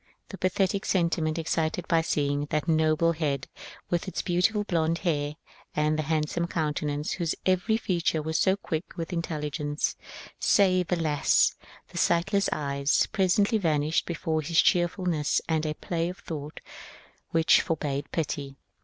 The pathetic sentiment excited by seeing that noble head with its beautiful blond hair and the handsome countenance, whose every feature was so quick with intelligence, save — alas I — the sightless eyes, presently vanished before his cheerfulness and a play of thought which forbade pity.